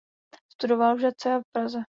Studoval v Žatci a v Praze.